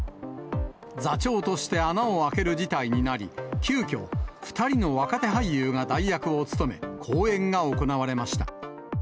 座長として穴を開ける事態になり、急きょ、２人の若手俳優が代役を務め、公演が行われました。